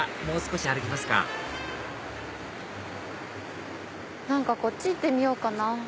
もう少し歩きますか何かこっち行ってみようかな。